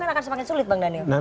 akan semakin sulit bang daniel